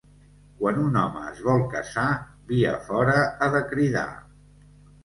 Quan un home es vol casar, via fora ha de cridar.